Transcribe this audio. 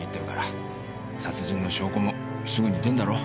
殺人の証拠もすぐに出んだろう。